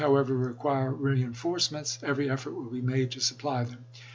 however, require reinforcements, every effort will be made to supply them.